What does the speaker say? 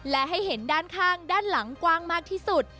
และให้เห็นด้านข้างด้านหลังกว้างมากที่สุด